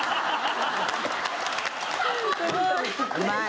うまい。